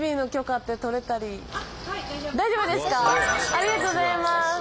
ありがとうございます。